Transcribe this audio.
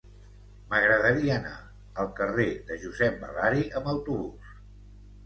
M'agradaria anar al carrer de Josep Balari amb autobús.